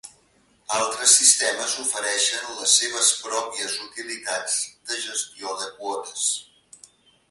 Altres sistemes ofereixen les seves pròpies utilitats de gestió de quotes.